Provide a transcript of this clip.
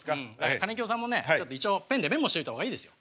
かねきよさんもねちょっと一応ペンでメモしといた方がいいですよ。